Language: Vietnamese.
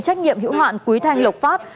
trách nhiệm hiệu hạn quý thanh lộc phát